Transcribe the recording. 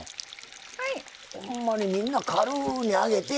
ほんまにみんな軽うに揚げて。